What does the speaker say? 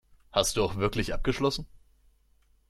Hast du auch wirklich abgeschlossen?